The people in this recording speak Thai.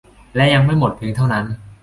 และยังไม่หมดเพียงเท่านั้น